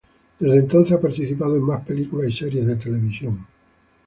Desde entonces ha participado en más películas y series de televisión.